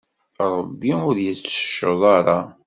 Ṛebbi ur yettecceḍ ara.